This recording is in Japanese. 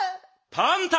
パンタ！